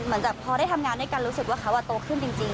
หลังจากพอได้ทำงานด้วยกันรู้สึกว่าเขาโตขึ้นจริง